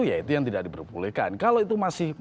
ya itu yang tidak diperbolehkan kalau itu masih